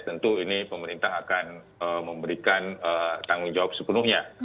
tentu ini pemerintah akan memberikan tanggung jawab sepenuhnya